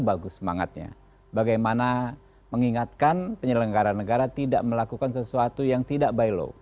bagus semangatnya bagaimana mengingatkan penyelenggara negara tidak melakukan sesuatu yang tidak by law